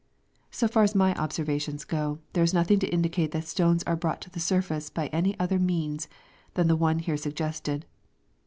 So far as my observations go, there is nothing to indicate that stones are brought to the surface by any other means than the one here suggested.